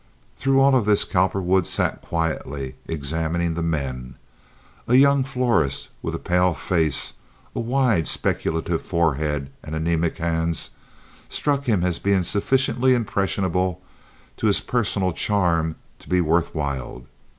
Throughout all this Cowperwood sat quietly examining the men. A young florist, with a pale face, a wide speculative forehead, and anemic hands, struck him as being sufficiently impressionable to his personal charm to be worth while.